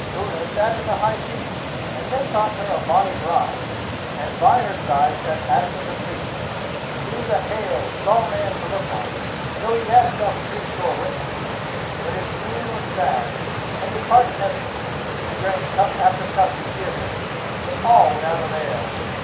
Unna sat in the high seat, and men thought her a bonny bride, and by her side sat Asmund the Priest. He was a hale, strong man to look on, though he had seen some three score winters; but his mien was sad, and his heart heavy. He drank cup after cup to cheer him, but all without avail.